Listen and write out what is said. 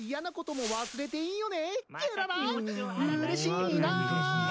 うれしいな。